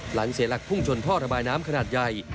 หลังเสร็จหลักพุ่งชนพ่อระบายน้ำขนาดใหญ่